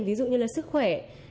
ví dụ như là sức khỏe